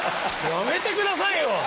やめてくださいよ！